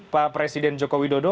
pak presiden joko widodo